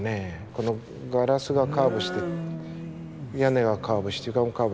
このガラスがカーブして屋根がカーブして床もカーブして。